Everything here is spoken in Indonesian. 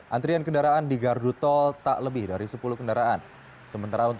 antrian kendaraan di gardu tol tak lebih dari sepuluh kendaraan